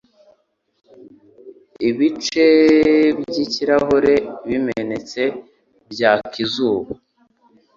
Ibice byikirahure bimenetse byaka izuba.